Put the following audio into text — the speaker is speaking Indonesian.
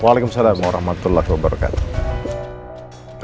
waalaikumsalam warahmatullahi wabarakatuh